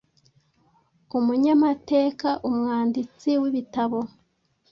umunyamateka, umwanditsi w’ibitabo,